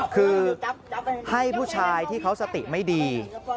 คือให้ผู้ชายที่เขาสติไม่ดี